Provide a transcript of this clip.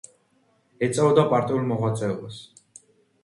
ეწეოდა პარტიულ მოღვაწეობას.